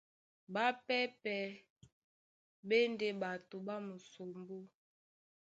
Ɓápɛ́pɛ̄ ɓá e ndé ɓato ɓá musombó.